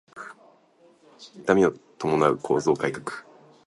痛みを伴う構造改革